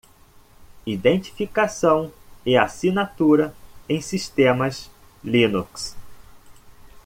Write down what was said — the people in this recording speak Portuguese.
Identificação e assinatura em sistemas Linux.